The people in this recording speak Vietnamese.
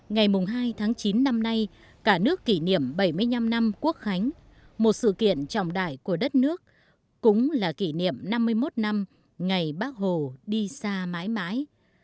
ngày hai tháng chín năm nay cả nước kỷ niệm bảy mươi năm năm quốc khánh một sự kiện trọng đại của đất nước cũng là kỷ niệm năm mươi một năm ngày bác hồ đi xa mãi mãi